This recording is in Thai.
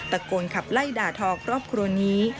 ตะโกนขับไล่ด่าทอครอบครัวนี้